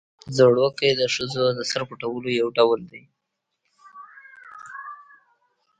ځړوکی د ښځو د سر پټولو یو ډول دی